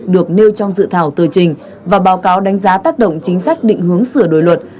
được nêu trong dự thảo tờ trình và báo cáo đánh giá tác động chính sách định hướng sửa đổi luật